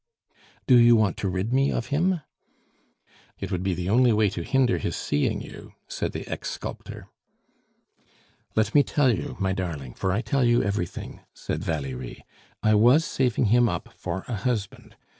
"Do you want to rid me of him?" "It would be the only way to hinder his seeing you," said the ex sculptor. "Let me tell you, my darling for I tell you everything," said Valerie "I was saving him up for a husband.